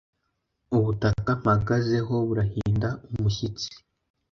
Ubutaka mpagazeho burahinda umushyitsi